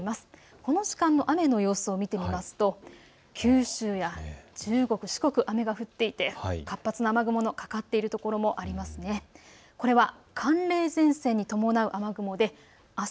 この時間の雨の様子を見てみますと九州や中国、四国、雨が降っていて活発な雨雲がかかっている所もあります。